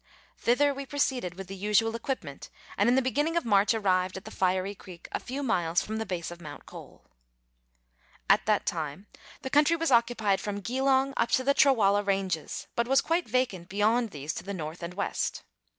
Thither we proceeded with the usual equipment, and in the begin ning of March arrived at the Fiery Creek, a few miles from the base of Mount Cole. At that time the country was occupied from Geelongup to the Trawalla ranges, but was quite vacant beyond these to the north and west.